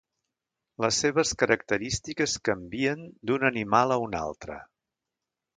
Les seves característiques canvien d'un animal a un altre.